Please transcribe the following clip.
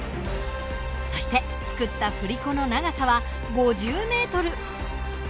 そして作った振り子の長さは５０ｍ。